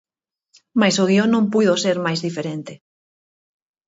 Mais o guión non puido ser máis diferente.